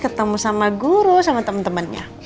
ketemu sama guru sama temen temennya